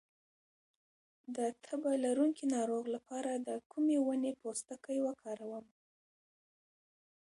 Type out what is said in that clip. د تبه لرونکي ناروغ لپاره د کومې ونې پوستکی وکاروم؟